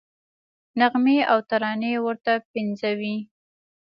نغمې او ترانې ورته پنځوي.